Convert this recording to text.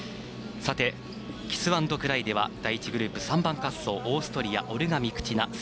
キスアンドクライでは第１グループ３番滑走オーストリアオルガ・ミクティナ。